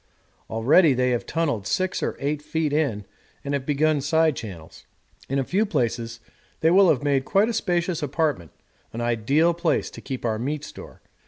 Already they have tunnelled 6 or 8 feet in and have begun side channels. In a few days they will have made quite a spacious apartment an ideal place to keep our meat store.